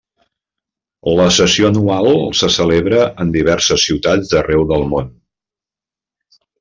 La sessió anual se celebra en diverses ciutats d'arreu del món.